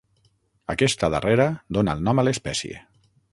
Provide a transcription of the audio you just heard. Aquesta darrera dona el nom a l'espècie.